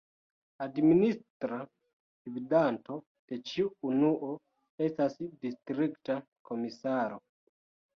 Administra gvidanto de ĉiu unuo estas distrikta komisaro.